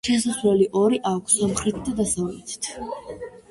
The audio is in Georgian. შესასვლელი ორი აქვს, სამხრეთით და დასავლეთით.